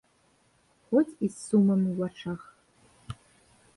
Хоць і з сумам у вачах.